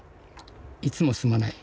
いつもすまない。